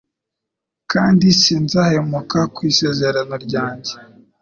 kandi sinzahemuka ku Isezerano ryanjye